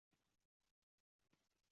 To`g`rirog`i oldinroq sezgandi